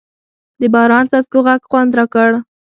د باران څاڅکو غږ خوند راکړ.